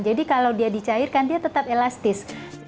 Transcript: jadi kalau dia dicairkan dia tetap elastis